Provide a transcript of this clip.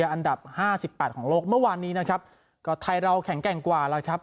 อันดับห้าสิบแปดของโลกเมื่อวานนี้นะครับก็ไทยเราแข็งแกร่งกว่าแล้วครับ